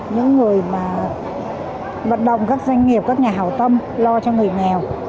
những người mà vật đồng các doanh nghiệp các nhà hào tâm lo cho người nghèo